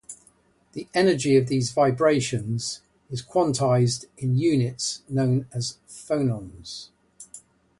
The energy of these vibrations is quantised in units known as "phonons".